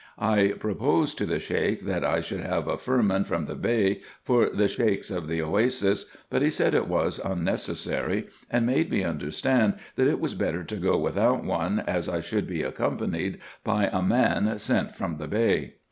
I pro posed to the Sheik that I should have a firman from the Bey for IN EGYPT, NUBIA, &c. 395 the Sheiks of the Oasis, but he said it was unnecessary, and made me understand that it was better to go without one, as I should be accompanied by a man sent from the Bey.